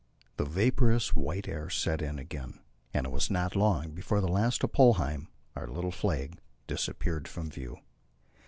The vaporous, white air set in again, and it was not long before the last of Polheim, our little flag, disappeared from view.